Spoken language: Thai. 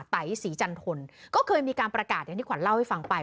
ไตศรีจันทนก็เคยมีการประกาศอย่างที่ขวัญเล่าให้ฟังไป